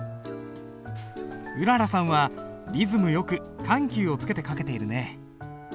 うららさんはリズムよく緩急をつけて書けているね。